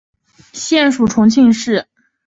现属重庆市。